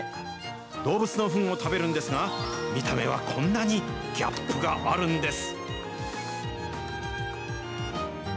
動物のフンを食べるんですが、見た目はこんなにギャップがあるんです。